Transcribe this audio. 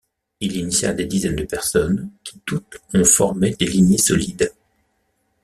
Il initia des dizaines de personnes qui toutes ont formaient des lignées solides.